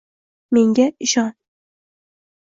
Menga ishon!